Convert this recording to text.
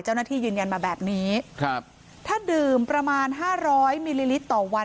เจ้าหน้าที่ยืนยันมาแบบนี้ถ้าดื่มประมาณ๕๐๐มิลลิลิตรต่อวัน